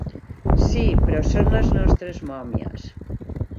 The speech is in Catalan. Sí, però són les nostres mòmies.